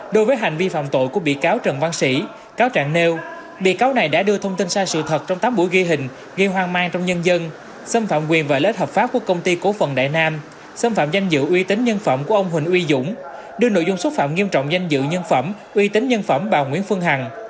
đối với hành vi phạm tội của bị cáo trần văn sĩ cáo trạng nêu bị cáo này đã đưa thông tin sai sự thật trong tám buổi ghi hình ghi hoang mang trong nhân dân xâm phạm quyền và lết hợp pháp của công ty cố phần đại nam xâm phạm danh dự uy tín nhân phẩm của ông huỳnh uy dũng đưa nội dung xúc phạm nghiêm trọng danh dự nhân phẩm uy tín nhân phẩm bà nguyễn phương hằng